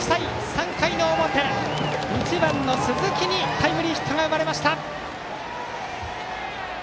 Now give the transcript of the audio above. ３回の表、１番の鈴木にタイムリーヒットが生まれました。